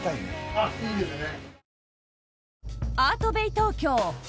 あっいいですね。